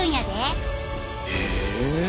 へえ！